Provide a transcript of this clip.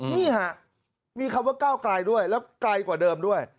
นี่ฮะมีคำว่าก้าวไกลด้วยแล้วไกลกว่าเดิมด้วย